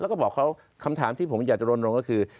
แล้วก็บอกเขาคำถามที่ผมอยากจะรณรงค์ก็คือ